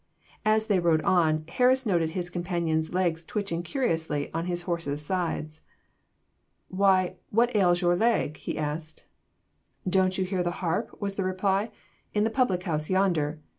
And, as they rode on, Harris noticed his companion's legs twitching curiously on his horse's sides. 'Why, what ails your leg?' he asked. 'Don't you hear the harp,' was the reply, 'in the public house yonder?